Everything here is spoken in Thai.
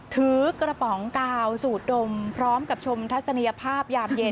ถือกระป๋องกาวสูดดมพร้อมกับชมทัศนียภาพยามเย็น